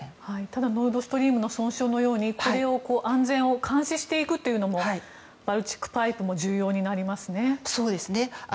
ただノルドストリームの損傷のように安全を監視していくというのもバルチック・パイプも重要になりますね。